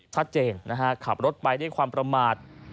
ชัดเจนนะฮะขับรถไปด้วยความประมาท